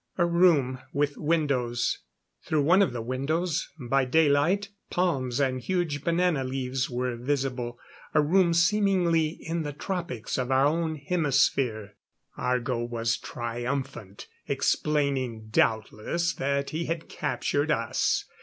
A room, with windows. Through one of the windows, by daylight, palms and huge banana leaves were visible. A room seemingly in the tropics of our own hemisphere. Argo was triumphant explaining, doubtless, that he had captured us.